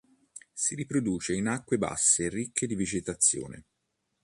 Si riproduce in acque basse e ricche di vegetazione.